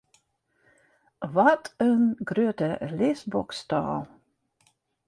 Wat in grutte lisboksstâl!